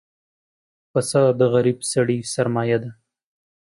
پسه د غریب سړي سرمایه ده.